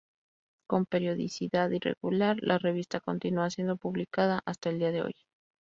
Con periodicidad irregular, la revista continúa siendo publicada hasta el día de hoy.